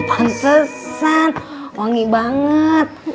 oh pantesan wangi banget